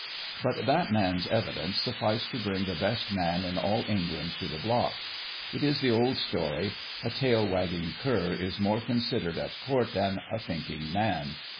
But that man's evidence sufficed to bring the best man in all England to the block. It is the old story a tail wagging cur is more considered at court than a thinking man.